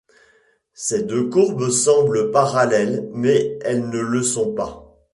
Ces deux courbes semblent parallèles mais elles ne le sont pas.